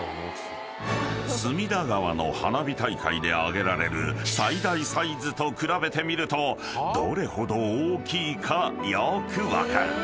［隅田川の花火大会で上げられる最大サイズと比べてみるとどれほど大きいかよく分かる］